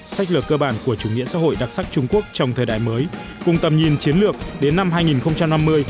sách lược cơ bản của chủ nghĩa xã hội đặc sắc trung quốc trong thời đại mới cùng tầm nhìn chiến lược đến năm hai nghìn năm mươi